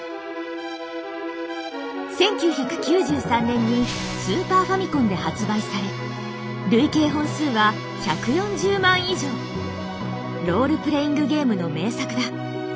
１９９３年にスーパーファミコンで発売され累計本数はロールプレイングゲームの名作だ。